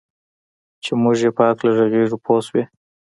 چې موږ یې په هکله ږغېږو پوه شوې!.